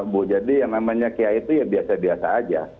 bu jadi yang namanya kiai itu ya biasa biasa aja